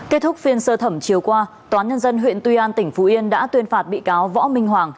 kết thúc phiên sơ thẩm chiều qua tòa nhân dân huyện tuy an tỉnh phú yên đã tuyên phạt bị cáo võ minh hoàng